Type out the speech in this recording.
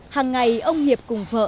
hằng ngày ông hiệp cùng vợ